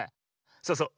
そうそう。